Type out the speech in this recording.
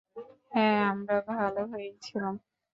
হ্যাঁ, আমরা ভালো হয়েই ছিলাম।